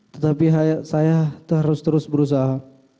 tetapi saya terus terus berusaha